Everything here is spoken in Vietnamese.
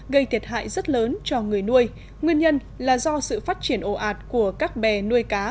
gây thiệt hại rất lớn cho người nuôi nguyên nhân là do sự phát triển ồ ạt của các bè nuôi cá